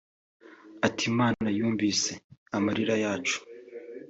Ati “Imana yumvise amarira yacu